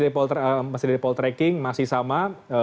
ini masih dari poll tracking masih sama